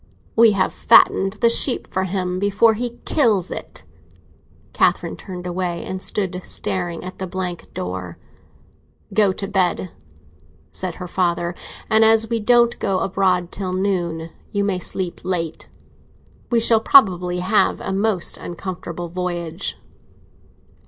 We have fattened the sheep for him before he kills it!" Catherine turned away, and stood staring at the blank door. "Go to bed," said her father; "and, as we don't go aboard till noon, you may sleep late. We shall probably have a most uncomfortable voyage."